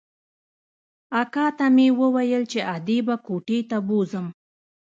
اکا ته مې وويل چې ادې به کوټې ته بوځم.